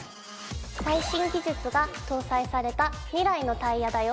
最新技術が搭載された未来のタイヤだよ